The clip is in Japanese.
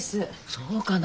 そうかな。